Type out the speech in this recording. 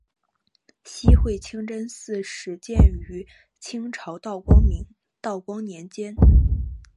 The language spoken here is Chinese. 西会清真寺始建于清朝道光年间。